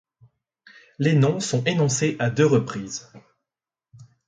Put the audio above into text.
Les noms sont énoncés à deux reprises.